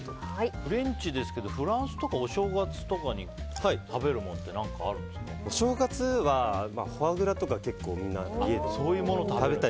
フレンチですけどお正月とかに食べるものってお正月はフォアグラとか結構、家で食べたり。